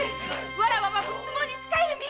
わらわは仏門に仕える身！